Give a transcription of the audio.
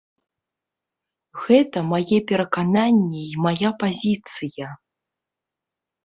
Гэта мае перакананні і мая пазіцыя.